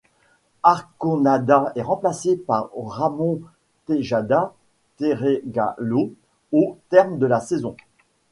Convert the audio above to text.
Arconada est remplacé par Ramón Tejada Carregalo au terme de la saison.